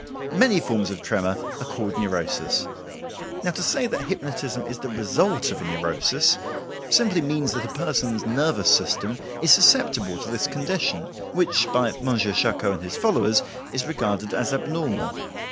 Many forms of tremor are called neurosis. Now to say that hypnotism is the result of a neurosis, simply means that a person's nervous system is susceptible to this condition, which, by M. Charcot and his followers, is regarded as abnormal."